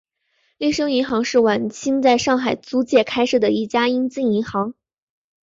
利升银行是晚清在上海租界开设的一家英资银行。